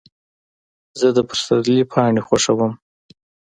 زه د پسرلي پاڼې خوښوم.